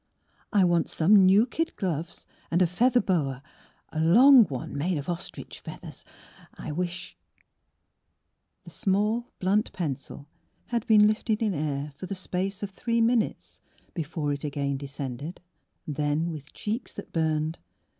I want some new kid gloves and a feather boa (a long one made of ostrich feathers). I wish " The small, blunt pencil had been lifted in air for the space of three min utes before it again descended ; then, with cheeks that burned.